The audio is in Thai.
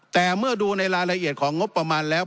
แต่เมื่อดูในรายละเอียดของงบประมาณแล้ว